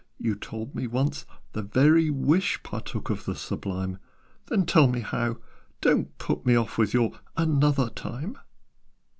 You told me once 'the very wish Partook of the sublime.' Then tell me how! Don't put me off With your 'another time'!"